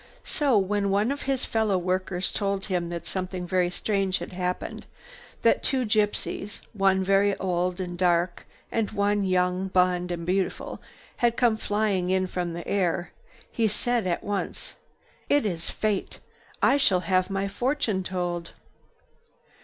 So, when one of his fellow workers told him that something very strange had happened—that two gypsies, one very old and dark, and one young, blonde and beautiful, had come flying in from the air, he said at once: "It is Fate. I shall have my fortune told."